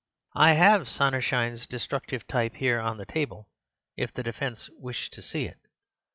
I have Sonnenschein's 'Destructive Type' here on the table, if the defence wish to see it.